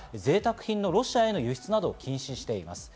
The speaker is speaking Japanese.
また贅沢品のロシアへの輸出を禁止しています。